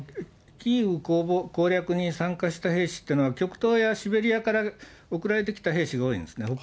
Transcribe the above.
キーウ攻略に参加した兵士っていうのは、極東やシベリアから送られてきた兵士が多いんですね。